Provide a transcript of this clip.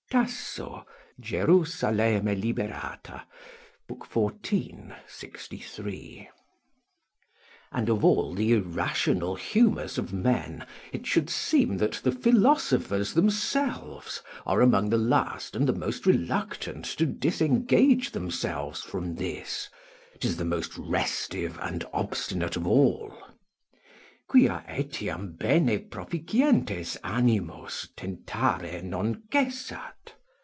Tasso, Gerus., xiv. 63.] And of all the irrational humours of men, it should seem that the philosophers themselves are among the last and the most reluctant to disengage themselves from this: 'tis the most restive and obstinate of all: "Quia etiam bene proficientes animos tentare non cessat."